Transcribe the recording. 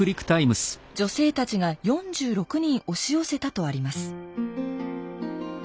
「女性たちが４６人押し寄せた」とあります。